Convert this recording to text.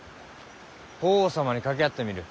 法皇様に掛け合ってみる。